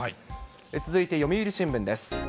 続いて読売新聞です。